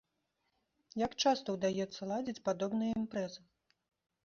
Як часта ўдаецца ладзіць падобныя імпрэзы?